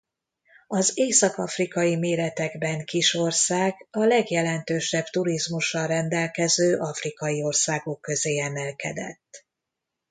Az észak-afrikai méretekben kis ország a legjelentősebb turizmussal rendelkező afrikai országok közé emelkedett.